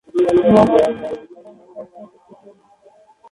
মহল জুড়ে রয়েছে নানা স্থাপত্যশৈলী।